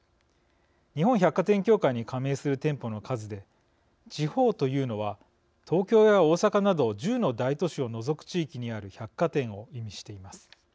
日本百貨店協会に加盟する店舗の数で地方というのは東京や大阪など１０の大都市を除く地域にある百貨店を意味しています。